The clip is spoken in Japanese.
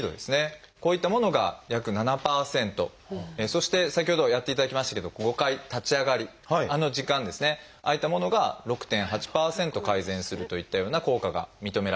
そして先ほどやっていただきましたけど５回立ち上がりあの時間ですねああいったものが６．８％改善するといったような効果が認められました。